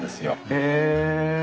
へえ。